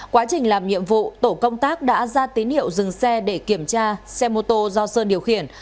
quá trình làm nhiệm vụ tổ công tác đã ra tín hiệu dừng xe để kiểm tra xe mô tô do sơn điều khiển